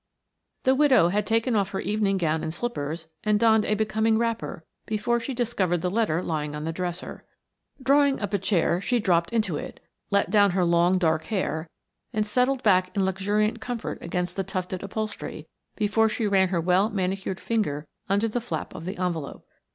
The widow had taken off her evening gown and slippers and donned a becoming wrapper before she discovered the letter lying on the dresser. Drawing up a chair she dropped into it, let down her long dark hair, and settled back in luxuriant comfort against the tufted upholstery before she ran her well manicured finger under the flap of the envelope.